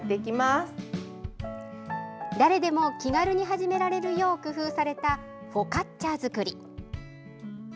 誰でも気軽に始められるよう工夫されたフォカッチャ作り。